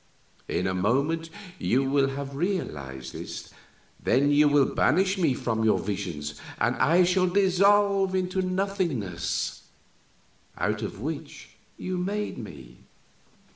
In a moment you will have realized this, then you will banish me from your visions and I shall dissolve into the nothingness out of which you made me....